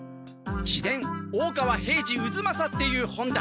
「自伝大川平次渦正」っていう本だ。